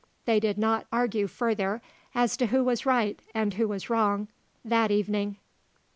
They did not argue further as to who was right and who wrong that evening.